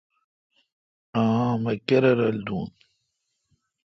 آں ۔۔۔مہ کیرای رل دون